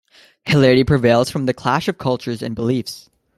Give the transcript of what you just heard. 'Hilarity' prevails from the clash of cultures and beliefs.